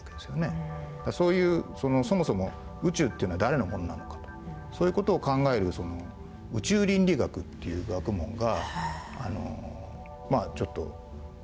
そういうそもそも宇宙っていうのは誰のものなのか？とそういう事を考える宇宙倫理学っていう学問がまあちょっと始まりつつあってですね。